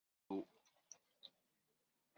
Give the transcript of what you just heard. Walu.